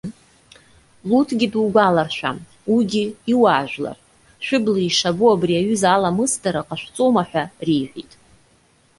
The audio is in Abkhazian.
Луҭгьы дугәаларшәа! Уигьы иуаажәлар. Шәыбла ишабо, абри аҩыза аламысдара ҟашәҵома?- ҳәа реиҳәеит.